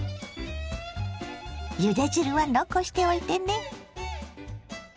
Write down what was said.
ゆで汁は残しておいてね。